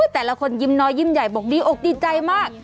แต่ละคนยิ้มน้อยยิ้มใหญ่บอกดีอกดีใจมาก